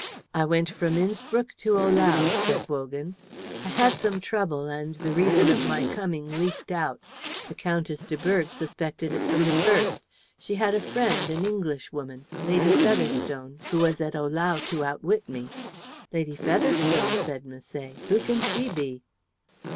"I went from Innspruck to Ohlau," said Wogan. "I had some trouble, and the reason of my coming leaked out. The Countess de Berg suspected it from the first. She had a friend, an Englishwoman, Lady Featherstone, who was at Ohlau to outwit me." "Lady Featherstone!" said Misset. "Who can she be?"